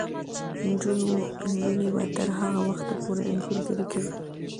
نجونې به تر هغه وخته پورې انځورګري کوي.